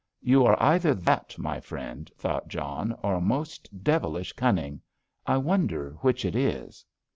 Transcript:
"You are either that, my friend," thought John, "or most devilish cunning. I wonder which it is?"